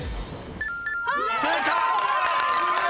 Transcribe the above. ［正解！］